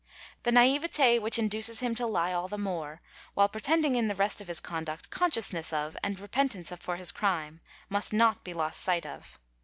The naiveté which duces him to lie all the more, while pretending in the rest of his conduct consciousness of and repentance for his crime, must not be lost e ght of.